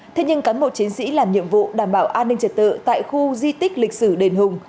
thế nhưng cán bộ chiến sĩ làm nhiệm vụ đảm bảo an ninh trật tự tại khu di tích lịch sử đền hùng